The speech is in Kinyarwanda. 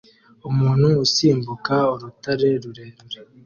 Umuntu usimbuka urutare rurerure